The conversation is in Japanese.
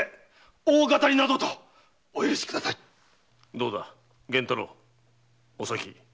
どうだ源太郎お咲。